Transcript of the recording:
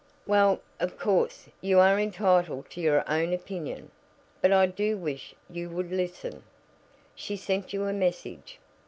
"Well, of course, you are entitled to your own opinion, but I do wish you would listen. She sent you a message."